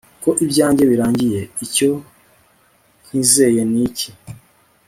ko ibyanjye birangiye, icyo nkizeye ni iki